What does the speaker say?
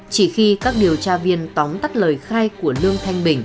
chỉ khi các điều tra viên tóm tắt lời khai của lương thanh bình